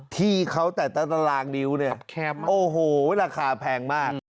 ที่เขาแต่ตั้งแต่ลางนิ้วเนี้ยแคบมากโอ้โหราคาแพงมาก